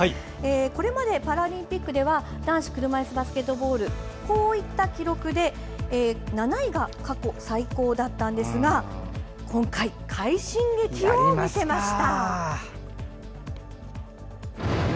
これまでパラリンピックでは男子車いすバスケットボールこういった記録で７位が過去最高だったんですが今回、快進撃を見せました。